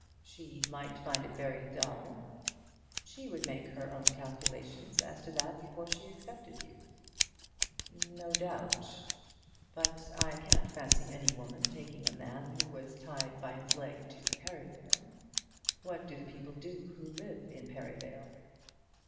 "She might find it very dull." "She would make her own calculations as to that before she accepted you." "No doubt; but I can't fancy any woman taking a man who was tied by his leg to Perivale. What do the people do who live in Perivale?"